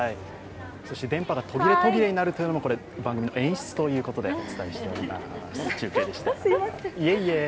そして電波が途切れ途切れになるというのも番組の演出ということで中継でした。